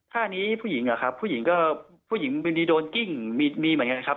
ท่านี้ผู้หญิงอะครับผู้หญิงก็ผู้หญิงบางทีโดนกิ้งมีเหมือนกันนะครับ